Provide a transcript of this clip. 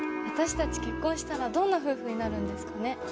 私たち結婚したらどんな夫婦になるんですかね？